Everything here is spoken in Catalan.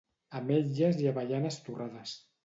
Ametlles i avellanes torrades